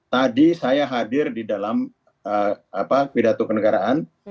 tadi saya hadir di dalam pidato kenegaraan